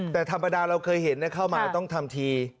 แต่ธรรมดาเราเคยเห็นเข้ามาต้องทำที